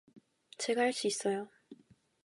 제가 할 수 있어요.